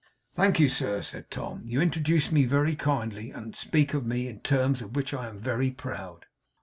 'Thank you, sir,' said Tom. 'You introduce me very kindly, and speak of me in terms of which I am very proud.